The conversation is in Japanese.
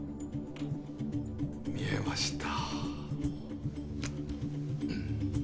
見えました。